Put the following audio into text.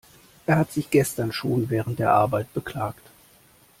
Er hat sich gestern schon während der Arbeit beklagt.